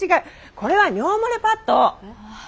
これは尿漏れパッド。